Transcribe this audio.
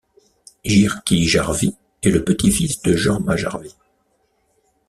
Jyrki Järvi est le petit fils de Jorma Järvi.